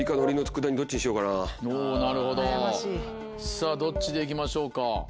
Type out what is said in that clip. さぁどっちで行きましょうか？